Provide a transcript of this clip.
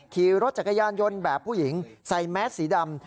ขี่รถจักรยานยนต์แบบผู้หญิงใส่แมสสีดำ